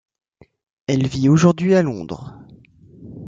Elle vit aujourd'hui à Londres.